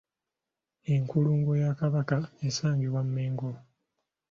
Enkulungo ya Kabaka esangibwa Mengo.